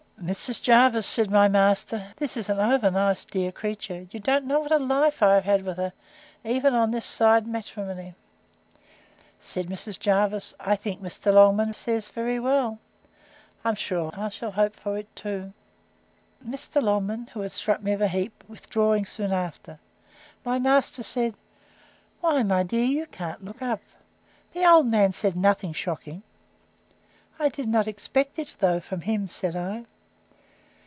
Mrs. Jervis, said my master, this is an over nice dear creature; you don't know what a life I have had with her, even on this side matrimony.—Said Mrs. Jervis, I think Mr. Longman says very well; I am sure I shall hope for it too. Mr. Longman, who had struck me of a heap, withdrawing soon after, my master said, Why, my dear, you can't look up! The old man said nothing shocking. I did not expect it, though, from him, said I.